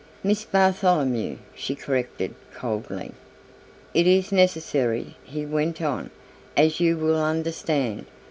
"Miss Bartholomew," she corrected, coldly. "It is necessary," he went on, "as you will understand.